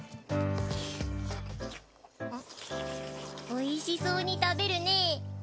おいしそうに食べるね。